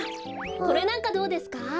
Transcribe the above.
これなんかどうですか？